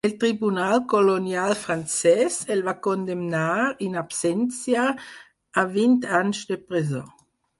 El tribunal colonial francès el va condemnar "in absentia" a vint anys de presó.